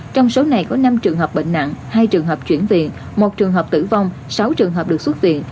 trong số này có năm trường hợp bệnh nặng hai trường hợp chuyển viện một trường hợp tử vong sáu trường hợp được xuất viện